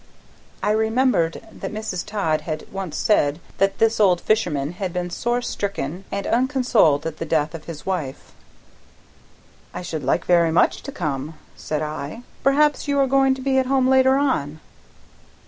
I remembered that Mrs. Todd had once said that this old fisherman had been sore stricken and unconsoled at the death of his wife. "I should like very much to come," said I. "Perhaps you are going to be at home later on?"